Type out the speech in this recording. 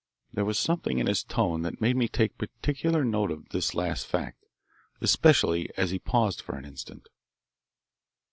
There was something in his tone that made me take particular note of this last fact, especially as he paused for an instant.